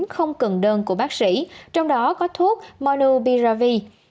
không cần đơn của bác sĩ trong đó có thuốc monopiravir